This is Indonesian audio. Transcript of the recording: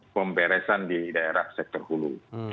pemberesan di daerah sektor hulu